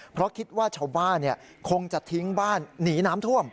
เพราะคิดว่าชาวบ้านคงจะทิ้งบ้านหนีน้ำท่วม